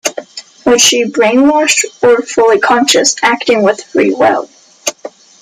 Was she "brainwashed" or fully conscious, acting with free will?